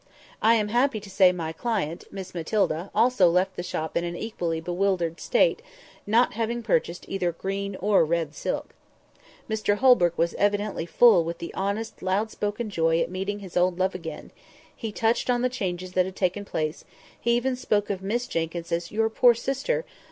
I am happy to say my client, Miss Matilda, also left the shop in an equally bewildered state, not having purchased either green or red silk. Mr Holbrook was evidently full with honest loud spoken joy at meeting his old love again; he touched on the changes that had taken place; he even spoke of Miss Jenkyns as "Your poor sister!